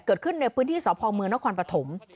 เกิดขึ้นในพื้นที่เศรษฐ์พรมือน้องควันปฐม